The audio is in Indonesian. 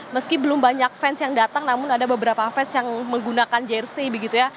meski belum banyak fans yang datang namun ada beberapa fans yang menggunakan jersey begitu ya